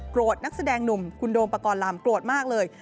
โกรธนักแสดงหนุ่มคุณโดมปกรรมโกรธมากเลย